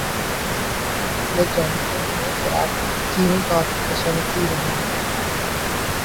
میں جانتا ہیںں کہ آپ کیں کافی پسند تھیں وہاں